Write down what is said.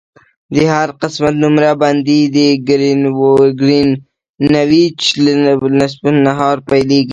د هر قسمت نمره بندي د ګرینویچ له نصف النهار پیلیږي